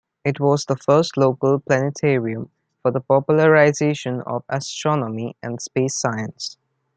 It was the first local planetarium for the popularisation of astronomy and space science.